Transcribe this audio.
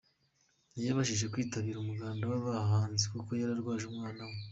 ntiyabashije kwitabira umuganda w’abahanzi kuko yari arwaje umwana we.